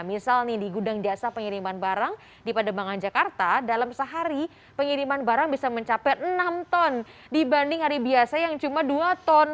misal nih di gudang jasa pengiriman barang di pademangan jakarta dalam sehari pengiriman barang bisa mencapai enam ton dibanding hari biasa yang cuma dua ton